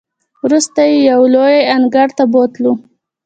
وروسته یې یوې لویې انګړ ته بوتللو.